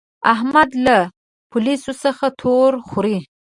احمد له پوليسو څخه تور خوري.